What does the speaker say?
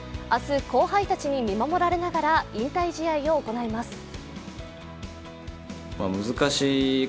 明日、後輩たちに見守られながら引退試合を行います。